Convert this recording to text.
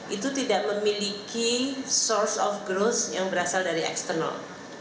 itu tidak memiliki source of growth yang berasal dari eksternal